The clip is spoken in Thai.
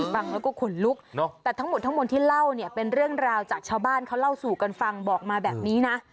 ฟังแล้วก็ขนลุกแต่ทั้งหมดทั้งหมดที่เล่าเนี่ยเป็นเรื่องราวจากชาวบ้านเขาเล่าสู่กันฟังบอกมาแบบนี้นะ